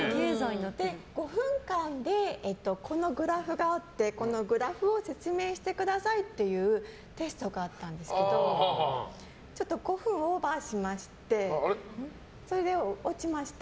５分間で、このグラフがあってこのグラフを説明してくださいってテストがあったんですけどちょっと５分オーバーしましてそれで落ちました。